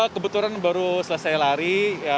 kebetulan baru selesai lari